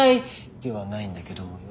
ではないんだけどもよ。